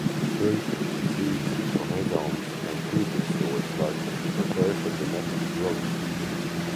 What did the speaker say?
Fruit, seeds, rhizomes, and tubers store starch to prepare for the next growing season.